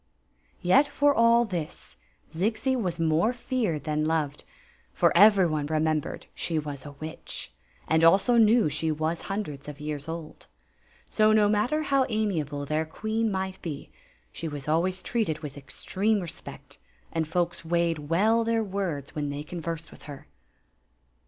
Yet, for all this, Zixi was more feared than loved; HO Queen Zixi of Ix ; or, the for every one remembered she was a witch, and also knew she was hundreds of years old So, no matter how amiable their queen might be, she was always mmf cum nm wmi tvaaw treated with extreme respect, and folks weighed well their words when they conversed with her.